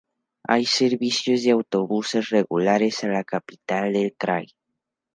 Hay servicio de autobuses regulares a la capital del krai.